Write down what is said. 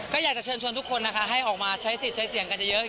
ก็อยากจะเชิญชวนทุกคนนะคะให้ออกมาใช้สิทธิ์ใช้เสียงกันเยอะ